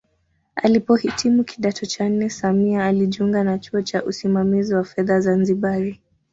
Alipohitimu kidato cha nne Samia alijiunga na chuo cha usimamizi wa fedha Zanzibari